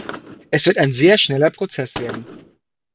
Es wird ein sehr schneller Prozess werden.